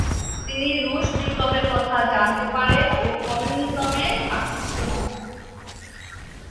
তিনি রুশ বিপ্লবের কথা জানতে পারেন ও কমিউনিজমে আকৃষ্ট হন।